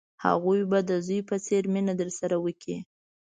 هغوی به د زوی په څېر مینه درسره وکړي.